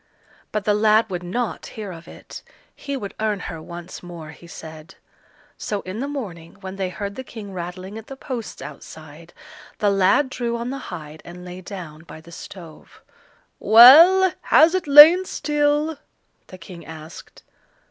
But the lad would not hear of it; he would earn her once more, he said. So in the morning when they heard the King rattling at the posts outside, the lad drew on the hide and lay down by the stove. "Well, has it lain still?" the king asked.